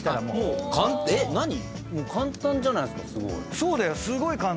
もうえっ何⁉簡単じゃないですかすごい。